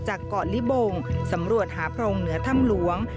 จากเกาะลิบงสำรวจหาโพรงเหนือถ้ำหลวง